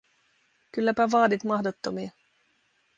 Kylläpä vaadit mahdottomia.